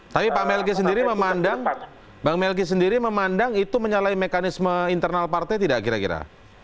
tapi pak melgi sendiri memandang itu menyalahi mekanisme internal partai tidak kira kira